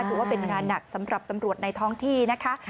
ถือว่าเป็นงานหนักสำหรับตำรวจในท้องที่นะคะ